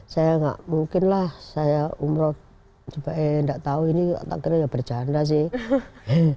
saya gak mungkin lah saya umroh eh gak tahu ini akhirnya ya berjanda sih